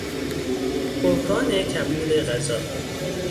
بحران کمبود غذا